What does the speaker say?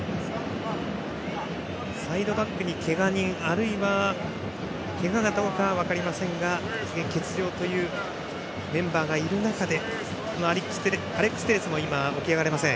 サイドバックにけが人あるいはけがかどうか分かりませんが欠場というメンバーがいる中でアレックス・テレスも起き上がれません。